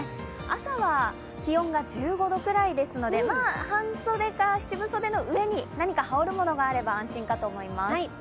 朝は気温が１５度くらいですので半袖か７分袖の上に何かはおるものがあれば、安心かと思います。